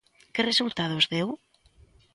Que resultados deu?